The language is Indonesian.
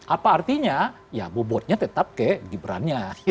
apa artinya ya bobotnya tetap kek kiberannya